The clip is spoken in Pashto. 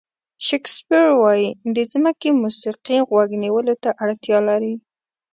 شکسپیر وایي د ځمکې موسیقي غوږ نیولو ته اړتیا لري.